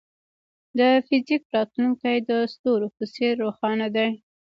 د فزیک راتلونکی د ستورو په څېر روښانه دی.